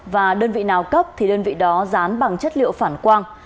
và đơn vị nào cấp thì đơn vị đó dán bằng chất liệu phản quang